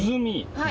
はい。